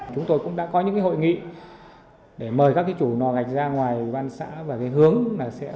chúng tôi cũng đã có những hội nghị để mời các chủ lò gạch ra ngoài văn xã và cái hướng là sẽ phải chuyển sang cái công nghệ mới